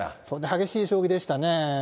激しい将棋でしたね。